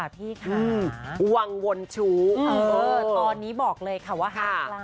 พี่คะอืมวังวนชูอิเปอล์ตอนนี้บอกเลยค่ะว่าฮัทรา